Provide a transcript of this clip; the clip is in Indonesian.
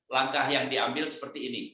langkah yang diambil seperti ini